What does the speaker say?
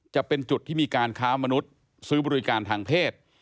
จะเป็นจุดที่มีการค้ามนุษย์ซื้อบริการทางเพศ